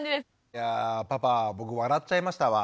いやパパ僕笑っちゃいましたわ。